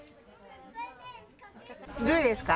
どうですか？